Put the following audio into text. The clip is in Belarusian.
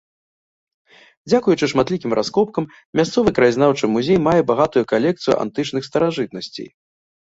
Дзякуючы шматлікім раскопкам, мясцовы краязнаўчы музей мае багатую калекцыяю антычных старажытнасцей.